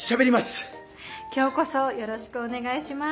今日こそよろしくお願いします。